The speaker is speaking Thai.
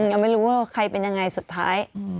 ยังไม่รู้ว่าใครเป็นยังไงสุดท้าย